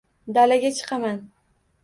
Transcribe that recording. Dalaga chiqaman